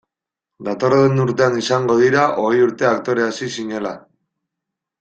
Datorren urtean izango dira hogei urte aktore hasi zinela.